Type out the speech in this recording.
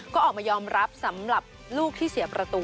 ก็ออกมายอมรับสำหรับลูกที่เสียประตู